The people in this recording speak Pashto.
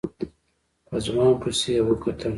په ځوان پسې يې وکتل.